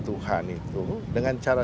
tuhan itu dengan cara